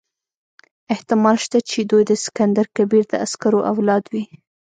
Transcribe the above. احتمال شته چې دوی د سکندر کبیر د عسکرو اولاد وي.